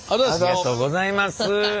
ありがとうございます。